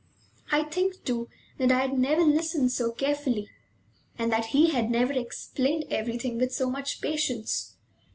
I think, too, that I had never listened so carefully, and that he had never explained everything with so much patience.